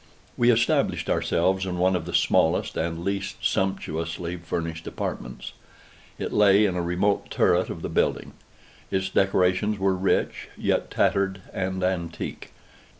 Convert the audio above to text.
We established ourselves in one of the smallest and least sumptuously furnished apartments. It lay in a remote turret of the building. Its decorations were rich, yet tattered and antique.